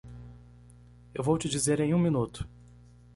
Eu vou te dizer em um minuto.